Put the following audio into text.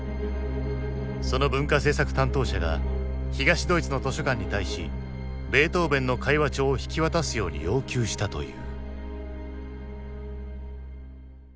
その文化政策担当者が東ドイツの図書館に対しベートーヴェンの会話帳を引き渡すように要求したという。